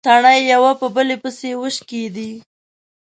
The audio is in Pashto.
تڼۍ يوه په بلې پسې وشکېدې.